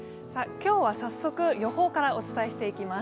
今日は早速、予報からお伝えしていきます。